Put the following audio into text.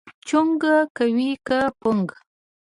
چونګ کوې که پونګ؟